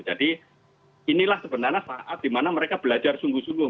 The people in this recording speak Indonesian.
jadi inilah sebenarnya saat dimana mereka belajar sungguh sungguh